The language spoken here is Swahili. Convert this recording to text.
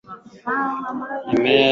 mimea moja kwa moja wakati Mia Tano